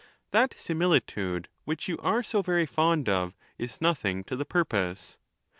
That similitude which you are so very fond of is nothing to the purpose.